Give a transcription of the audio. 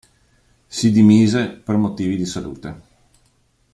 Si dimise per motivi di salute.